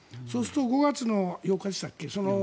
そうすると５月の８日でしたっけ